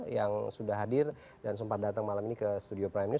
yang sudah hadir dan sempat datang malam ini ke studio prime news